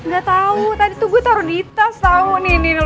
gak tau tadi tuh gue taruh di tas tau nih